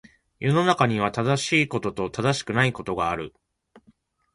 世の中には、正しいことと正しくないことがある。